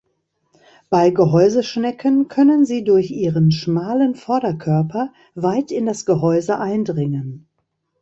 Bei Gehäuseschnecken können sie durch ihren schmalen Vorderkörper weit in das Gehäuse eindringen.